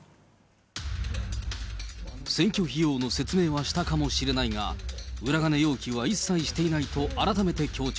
選挙費用の説明はしたかもしれないが、裏金要求は一切していないと改めて強調。